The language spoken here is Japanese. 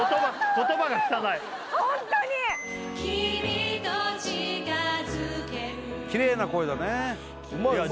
言葉が汚いホントにキミと近付けるキレイな声だね